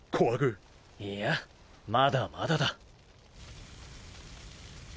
いやまだまだだ。